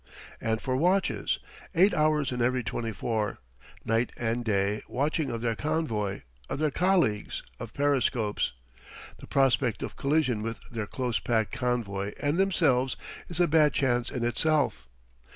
And for watches: eight hours in every twenty four, night and day watching of their convoy, of their colleagues, of periscopes. (The prospect of collision with their close packed convoy and themselves is a bad chance in itself.)